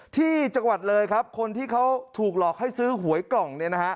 ที่จังหวัดเลยครับคนที่เขาถูกหลอกให้ซื้อหวยกล่องเนี่ยนะฮะ